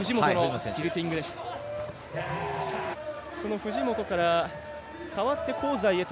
藤本から代わって香西へと。